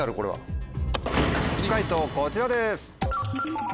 解答こちらです。